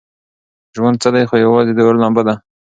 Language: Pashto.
ژوند څه دی خو یوازې د اور لمبه ده.